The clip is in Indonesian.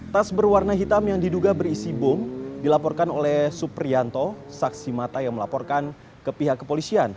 tas berwarna hitam yang diduga berisi bom dilaporkan oleh suprianto saksi mata yang melaporkan ke pihak kepolisian